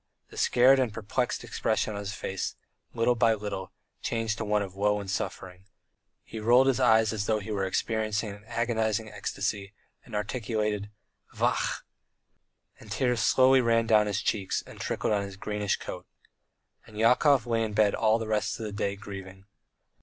The scared and perplexed expression on his face, little by little, changed to a look of woe and suffering; he rolled his eyes as though he were experiencing an agonizing ecstasy, and articulated, "Vachhh!" and tears slowly ran down his cheeks and trickled on his greenish coat. And Yakov lay in bed all the rest of the day grieving.